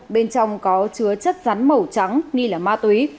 bên trong có chứa chất rắn màu trắng nghi là ma túy